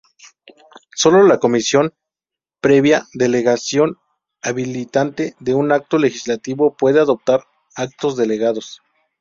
Sólo la Comisión, previa delegación habilitante de un acto legislativo, puede adoptar actos delegados.